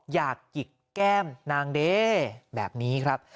หยิกแก้มนางเด้แบบนี้ครับ